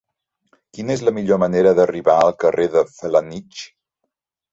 Quina és la millor manera d'arribar al carrer de Felanitx?